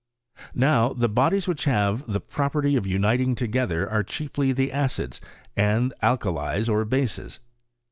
Now the bodies which have the property «f uniting together are chiefly the acids and the al kalies, or bases.